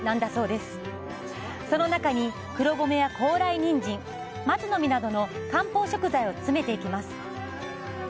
その中に黒米や高麗人参・松の実などの漢方食材を詰めていきます